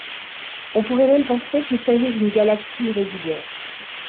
On pourrait même penser qu'il s'agit d'une galaxie irrégulière.